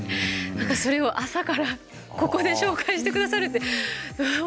それを朝からここで紹介してくださるって